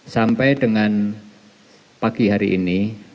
sampai dengan pagi hari ini